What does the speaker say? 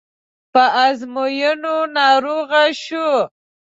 په ازموینو ناروغ شو.